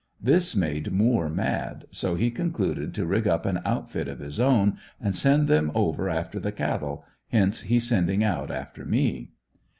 This made Moore mad, so he concluded to rig up an outfit of his own and send them over after the cattle, hence he sending out after me.